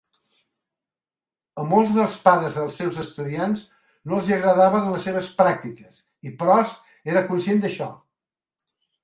A molts dels pares dels seus estudiantes no els hi agradaven les seves pràctiques, i Post era conscient d"això.